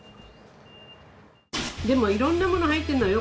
でもいろんなもの入ってんのよ